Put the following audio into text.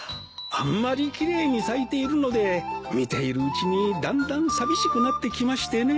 あんまり奇麗に咲いているので見ているうちにだんだん寂しくなってきましてね。